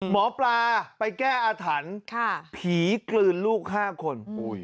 หมอปลาไปแก้อาถรรพ์ผีกลืนลูก๕คน